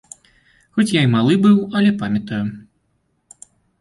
Хоць я і малы быў, але памятаю.